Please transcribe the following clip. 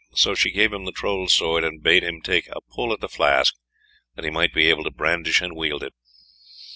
So she gave him the Troll's sword, and bade him take a pull at the flask, that he might be able to brandish and wield it.